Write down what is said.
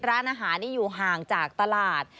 ร้านอาหารนี่อยู่ห่างจากตลาด